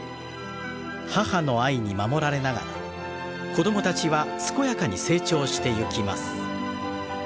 母の愛に守られながら子供たちは健やかに成長してゆきます。